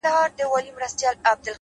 د ذهن رڼا د ژوند لار روښانوي؛